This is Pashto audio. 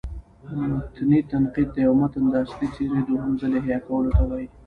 متني تنقید: د یو متن د اصلي څېرې دوهم ځل احیا کولو ته وايي.